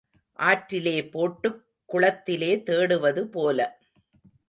ஆற்றிலே போட்டுக் குளத்திலே தேடுவது போல.